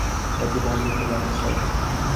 এটি বন্ধুত্ব band sir.